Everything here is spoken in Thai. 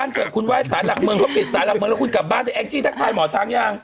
เมืองเขาปิดสายแล้วเมืองแล้วคุณกลับบ้านจะแอ็กจี้ทักทายหมอช้างยัง